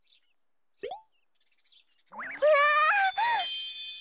・うわ！